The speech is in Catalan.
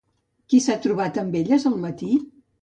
Qui s'ha trobat amb elles al matí?